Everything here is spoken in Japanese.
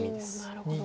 なるほど。